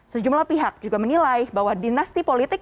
sejumlah pihak juga menilai bahwa dinasti politik